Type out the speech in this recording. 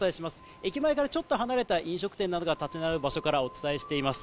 駅前からちょっと離れた飲食店などが建ち並ぶ場所からお伝えしています。